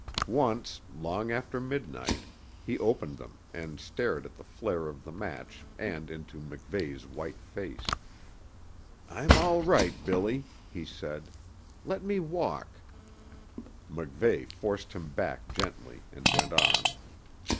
Once, long after midnight, he opened them and stared at the flare of the match and into MacVeigh's white face. "I'm all right, Billy," he said. "Let me walk " MacVeigh forced him back gently, and went on.